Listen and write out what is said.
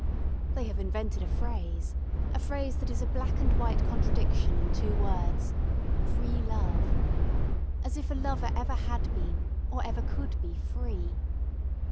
They have invented a phrase, a phrase that is a black and white contradiction in two words 'free love' as if a lover ever had been, or ever could be, free.